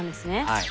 はい。